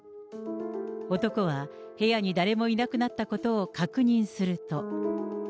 男は、部屋に誰もいなくなったことを確認すると。